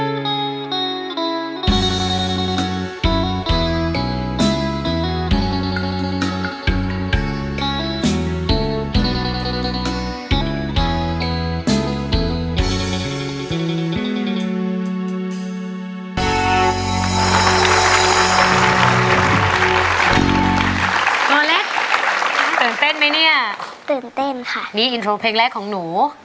หมอเล็กตื่นเต้นไหมเนี่ยตื่นเต้นค่ะนี่อินโทรเพลงแรกของหนู